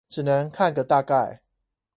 只能看個大概